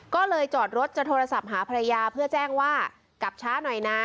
ก็เลยจอดรถจะโทรศัพท์หาภรรยาเพื่อแจ้งว่ากลับช้าหน่อยนะ